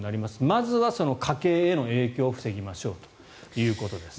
まずは家計への影響を防ぎましょうということです。